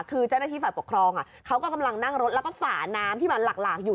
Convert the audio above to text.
คือเจ้าหน้าที่ฝ่ายปกครองเขาก็กำลังนั่งรถแล้วก็ฝาน้ำที่มันหลากอยู่